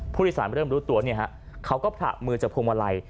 ผู้โดยสารเริ่มรู้ตัวเขาก็ผละมือจากพวงมาลัย